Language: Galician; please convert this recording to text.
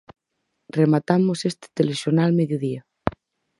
Rematamos este Telexornal Mediodía.